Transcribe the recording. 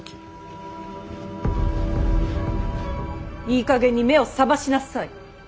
いいかげんに目を覚ましなさい。